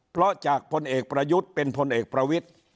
เพราะจากพลเอกประยุทธ์เป็นพลเอกประวิทธิ์